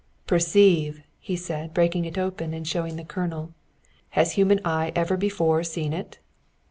"Perceive!" he said, breaking it open and showing the kernel. "Has human eye ever before seen it?"